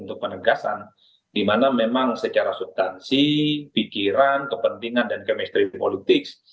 untuk penegasan di mana memang secara subtansi pikiran kepentingan dan kemistri politik